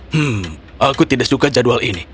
hmm aku tidak suka jadwal ini